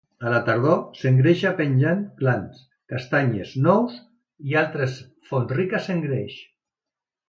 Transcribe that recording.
A la tardor, s'engreixa menjant glans, castanyes, nous i altres fonts riques en greix.